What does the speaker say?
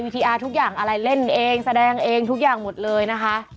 ทีอาร์ทุกอย่างอะไรเล่นเองแสดงเองทุกอย่างหมดเลยนะคะ